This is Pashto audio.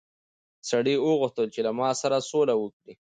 سړي وغوښتل چې له مار سره سوله وکړي.